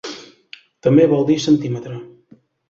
També vol dir centímetre.